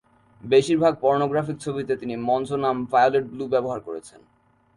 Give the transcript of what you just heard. বেশিরভাগ পর্নোগ্রাফিক ছবিতে তিনি মঞ্চ নাম ভায়োলেট ব্লু ব্যবহার করেছেন।